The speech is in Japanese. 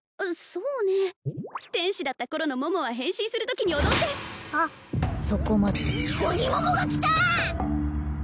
そうね天使だった頃の桃は変身するときに踊ってそこまで鬼桃が来た！